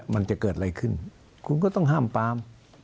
มันจะเกิดอะไรขึ้นคุณก็ต้องห้ามปาม